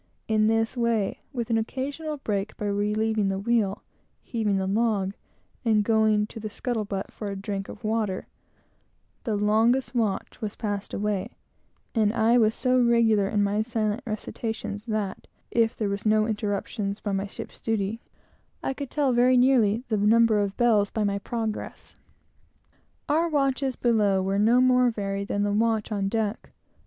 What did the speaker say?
In this way, with an occasional break by relieving the wheel, heaving the log, and going to the scuttle butt for a drink of water, the longest watch was passed away; and I was so regular in my silent recitations, that if there was no interruption by ship's duty, I could tell very nearly the number of bells by my progress. Our watches below were no more varied than the watch on deck.